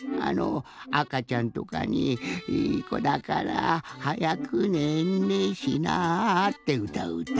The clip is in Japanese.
あかちゃんとかに「いいこだからはやくねんねしな」ってうたううた。